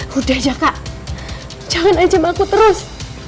sudah saja kak jangan ancam aku terus